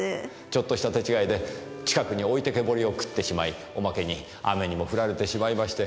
ちょっとした手違いで近くに置いてけぼりをくってしまいおまけに雨にも降られてしまいまして。